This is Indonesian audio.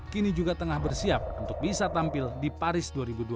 kini juga tengah bersiap untuk bisa tampil di paris dua ribu dua puluh